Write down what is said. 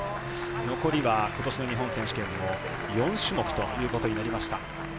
残りは、ことしの日本選手権も４種目ということになりました。